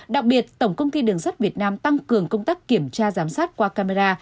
đặc biệt tổng công ty đường sắt việt nam tăng cường công tác kiểm tra giám sát qua camera